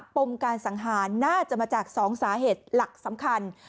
ปมการสังหารน่าจะมาจาก๒สาเหตุหลักสำคัญ